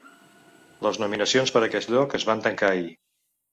Les nominacions per a aquest lloc es van tancar ahir.